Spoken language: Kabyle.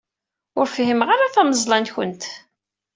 Ur fhimeɣ ara tameẓla-nwent.